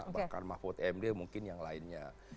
bahkan mahfud md mungkin yang lainnya